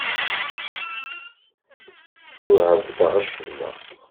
Ur ɛebbdeɣ acemma.